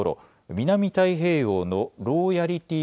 南太平洋のローヤリティー